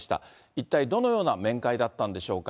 一体、どのような面会だったんでしょうか。